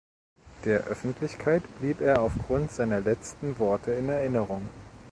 Der Öffentlichkeit blieb er aufgrund seiner letzten Worte in Erinnerung.